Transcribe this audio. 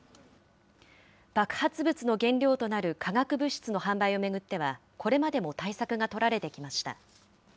爆発物の原料となる化学物質の販売を巡っては、これまでも対策が取られてきました。